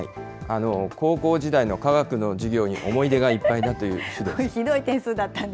高校時代の科学の授業に思い出がいっぱいだという首藤さん。